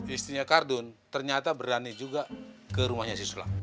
istrinya kardun ternyata berani juga ke rumahnya si sulam